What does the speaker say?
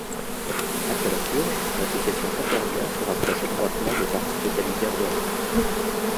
Après la purge, l'association Concordia se rapproche étroitement des partis totalitaires d'Europe.